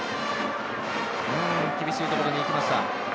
厳しいところに行きました。